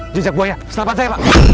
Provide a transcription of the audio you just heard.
jujak buaya selamat saya pak